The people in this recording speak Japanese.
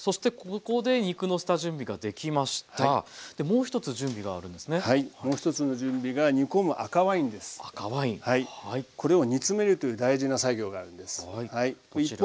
これを煮詰めるという大事な作業があるんです。